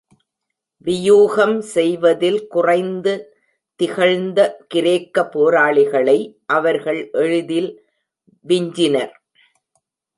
வியூகம் செய்வதில் குறைந்து திகழ்ந்த கிரேக்க போராளிகளை அவர்கள் எளிதில் விஞ்சினர்.